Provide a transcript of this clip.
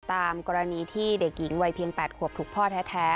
ตามกรณีที่เด็กหญิงวัยเพียง๘ขวบถูกพ่อแท้